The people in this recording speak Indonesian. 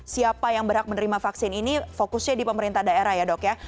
siapa yang berhak menerima vaksin ini fokusnya di pemerintah daerah ya dok ya